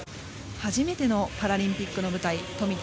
初めてのパラリンピックの舞台富田